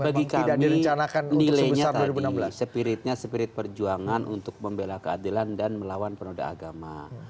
bagi kami nilainya tadi spiritnya spirit perjuangan untuk membela keadilan dan melawan penoda agama